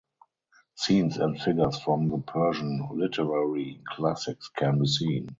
Scenes and figures from the Persian literary classics can be seen.